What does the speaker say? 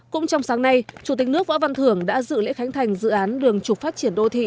cũng trong sáng nay chủ tịch nước võ văn thưởng đã dự lễ khánh thành dự án đường trục phát triển đô thị